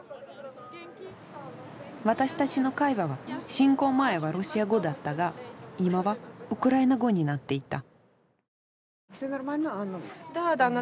私たちの会話は侵攻前はロシア語だったが今はウクライナ語になっていた。